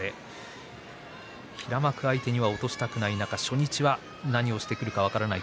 平幕相手に落としたくない中初日は何をしてくるか分からない